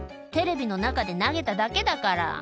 「テレビの中で投げただけだから」